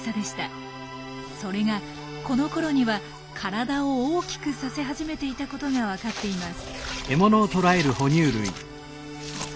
それがこのころには体を大きくさせ始めていたことが分かっています。